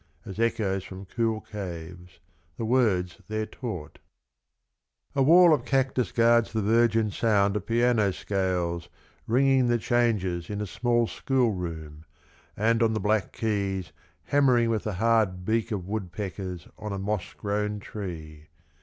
As echoes from cool caves The words they're taught. 70 El in Arcadia, Omnes A wall of cactus guards the virgin sound Of piano scales Ringing the changes In a small school room, And on the black keys Hammering with the hard beak of woodpeckers On a moss grown tree.